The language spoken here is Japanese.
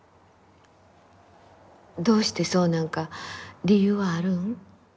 どうしてそうなんか理由はあるん？